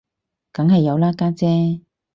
梗有啦家姐